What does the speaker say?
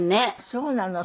そうなの。